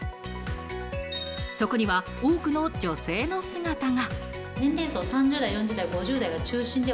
そこには多くの女性の姿が。